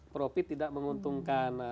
profit tidak menguntungkan